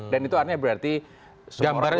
dan itu artinya berarti semua orang